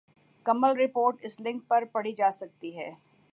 کمل report اس link پر پڑھی جا سکتی ہے ۔